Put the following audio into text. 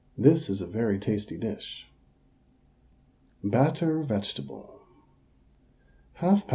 This is a very tasty dish. BATTER VEGETABLE. 1/2 lb.